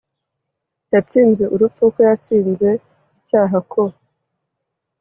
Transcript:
yatsinze urupfu, ko yatsinze icyaha, ko